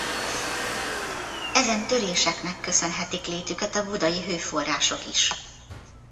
Ezen töréseknek köszönhetik létüket a budai hőforrások is.